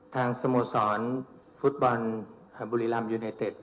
ทางสโมสรฟุตบอลบุรีรัมป์ยูเนตเต็ด